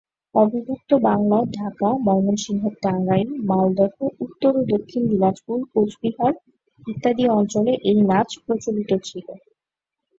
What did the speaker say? অবিভক্ত বাংলার ঢাকা, ময়মনসিংহের টাঙ্গাইল, মালদহ, উত্তর ও দক্ষিণ দিনাজপুর, কোচবিহার ইত্যাদি অঞ্চলে এই নাচ প্রচলিত ছিল।